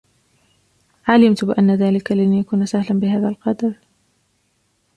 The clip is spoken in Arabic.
علمت بأن ذلك لن يكون سهلا بهذا القدر.